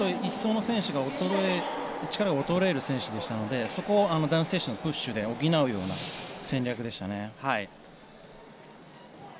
１走の選手が力が衰える選手でしたのでそこを男子選手のプッシュで補うような戦略でしたね。